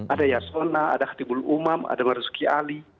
ada yasona ada khatibul umam ada marzuki ali